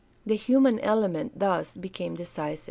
The human element thus became decisive.